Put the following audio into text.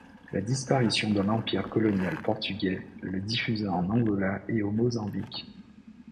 La disparition de l’empire colonial portugais le diffusa en Angola et au Mozambique.